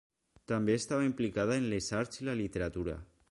També estava implicada en les arts i la literatura.